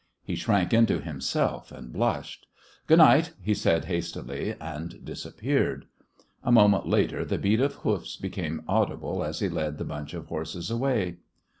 He shrank into himself and blushed. "Good night," he said, hastily, and disappeared. A moment later the beat of hoofs became audible as he led the bunch of horses away.